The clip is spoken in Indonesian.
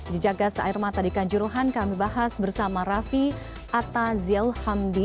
jejak gas air mata di kanjuruhan kami bahas bersama raffi atta zil hamdi